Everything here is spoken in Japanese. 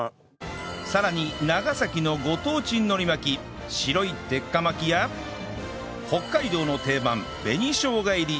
さらに長崎のご当地海苔巻き白い鉄火巻きや北海道の定番紅生姜入り！